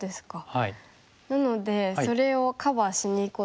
はい。